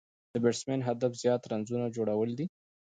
د بېټسمېن هدف زیات رنزونه جوړول دي.